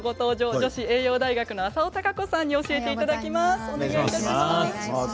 女子栄養大学の浅尾貴子さんに教えていただきます。